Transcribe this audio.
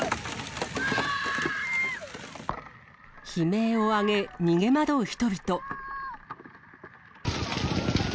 悲鳴を上げ、逃げ惑う人々。